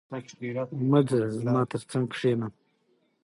مه ځه، زما تر څنګ کښېنه.